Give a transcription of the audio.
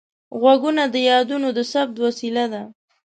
غوږونه د یادونو د ثبت وسیله ده